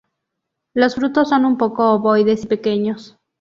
Los frutos son un poco ovoides y pequeños.